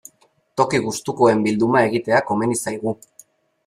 Toki gustukoen bilduma egitea komeni zaigu.